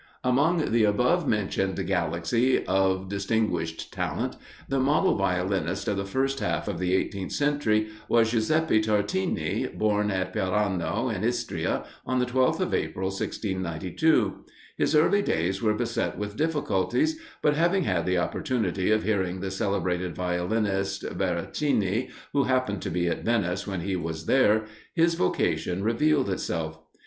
Among the above mentioned galaxy of distinguished talent, the model violinist of the first half of the eighteenth century was Giuseppe Tartini, born at Pirano, in Istria, on the 12th of April, 1692. His early days were beset with difficulties, but having had the opportunity of hearing the celebrated violinist, Veracini, who happened to be at Venice when he was there, his vocation revealed itself.